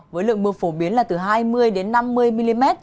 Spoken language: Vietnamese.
với lượng mưa phổ biến là từ hai mươi năm mươi mm